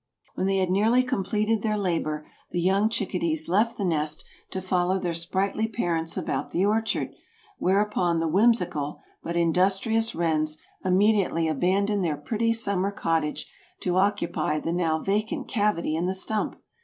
When they had nearly completed their labor the young chickadees left the nest to follow their sprightly parents about the orchard, whereupon the whimsical but industrious wrens immediately abandoned their pretty summer cottage to occupy the now vacant cavity in the stump.